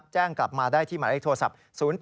แจ้งกลับมาได้ที่หมายเลขโทรศัพท์๐๘